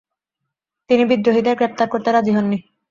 তিনি বিদ্রোহীদের গ্রেপ্তার করতে রাজি হননি।